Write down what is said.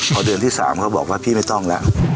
พอเดือนที่๓เขาบอกว่าพี่ไม่ต้องแล้ว